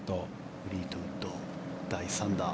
フリートウッド、第３打。